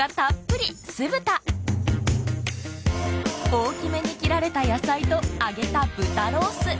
大きめに切られた野菜と揚げた豚ロース。